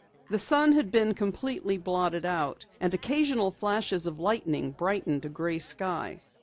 The sun had been completely blotted out and occasional flashes of lightning brightened a gray sky.